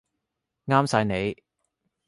啱晒你